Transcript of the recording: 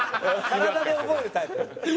体で覚えるタイプ。